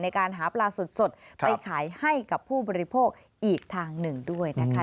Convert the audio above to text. ในการหาปลาสดไปขายให้กับผู้บริโภคอีกทางหนึ่งด้วยนะคะ